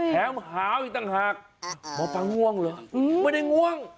หาวอีกต่างหากหมอปลาง่วงเหรอไม่ได้ง่วง